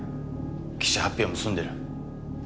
記者発表も済んでる。